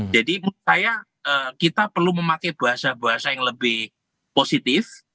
jadi menurut saya kita perlu memakai bahasa bahasa yang lebih positif